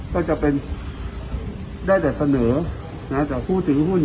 ก็จะเป็นได้แต่เสนอต่อผู้ถือหุ้น